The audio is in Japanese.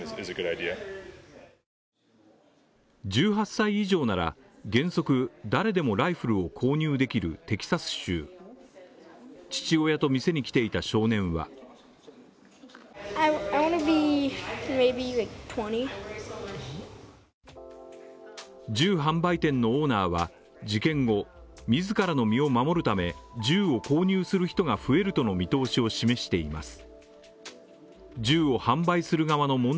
１８歳以上なら、原則、誰でもライフルを購入できるテキサス州父親と店に来ていた少年は銃販売店のオーナーは事件後、自らの身を守るため、銃を購入する人が増えるとの見通しを示しています。